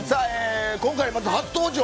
今回、まず初登場。